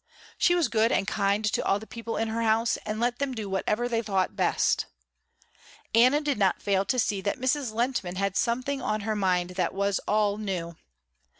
She was good and kind to all the people in her house, and let them do whatever they thought best. Anna did not fail to see that Mrs. Lehntman had something on her mind that was all new.